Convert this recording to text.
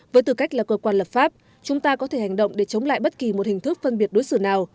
với tư cách là cơ quan lập pháp chúng ta có thể hành động để chống lại bất kỳ một hình thức phân biệt đối xử nào